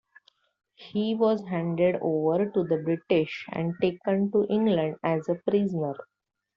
He was handed over to the British and taken to England as a prisoner.